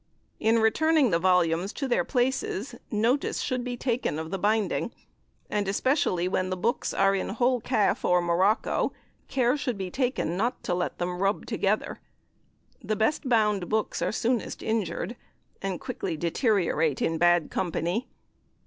In returning the volumes to their places, notice should be taken of the binding, and especially when the books are in whole calf or morocco care should be taken not to let them rub together. The best bound books are soonest injured, and quickly deteriorate in bad company.